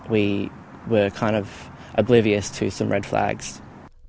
kita berpengalaman dengan beberapa panggilan merah